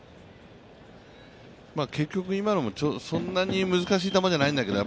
結局今のも、そんなに難しい球じゃないんだけど、